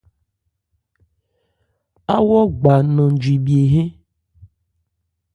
Awo gba Nanjwibhye hɛ́n.